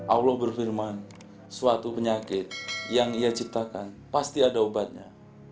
allah berfirman suatu penyakit yang ia ciptakan pasti ada obatnya